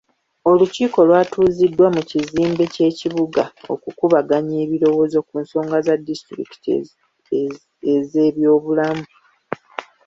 Olukiiko lwatuuziddwa mu kizimbe ky'ekibuga okukubaganya ebirowoozo ku nsonga za disituliki ez'ebyobulamu.